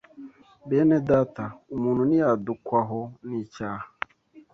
Bene Data, umuntu niyadukwaho n’icyaha